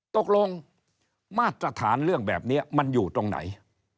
ตกลงมาตรฐานเรื่องแบบนี้มันอยู่ตรงไหน